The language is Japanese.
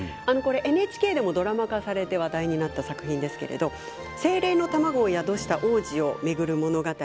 ＮＨＫでもドラマ化されて話題になった作品ですが精霊の卵を宿した皇子を巡る物語。